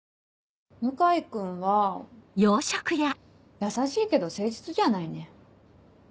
向井君は優しいけど誠実じゃないね。